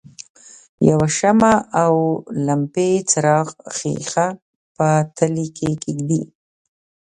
یوه شمع او لمپې څراغ ښيښه په تلې کې کیږدئ.